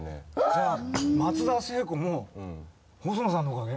じゃあ松田聖子も細野さんのおかげ？